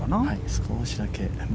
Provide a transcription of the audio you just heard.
少しだけ。